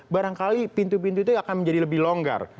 barangkali pintu pintu itu akan menjadi lebih longgar